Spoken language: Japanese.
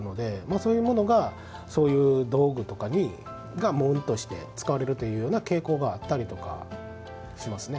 そういうものがそういう道具とかが紋として使われるというような傾向があったりとかしますね。